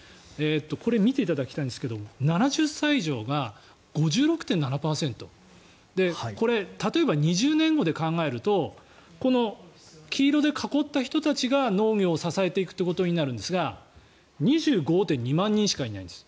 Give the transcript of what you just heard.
これ、見ていただきたいんですが７０歳以上が５６．７％。これ、例えば２０年後で考えるとこの黄色で囲った人たちが農業を支えていくということになるんですが２５．２万人しかいないんです。